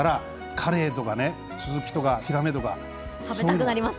カレイとかスズキとかヒラメとか。